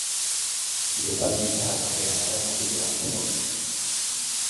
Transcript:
Besaulki zahar batean arropa pilo bat zegoen.